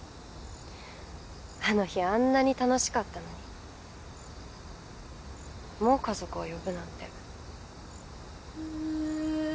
あの日あんなに楽しかったのにもう家族を呼ぶなんて。